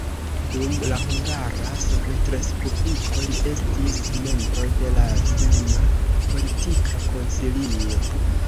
Dum la Hungara Sovetrespubliko li estis membro de la filma politika konsilio.